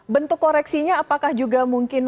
bentuk koreksinya apakah juga mungkin